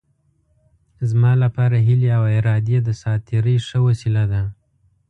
زما لپاره هیلې او ارادې د ساعت تېرۍ ښه وسیله ده.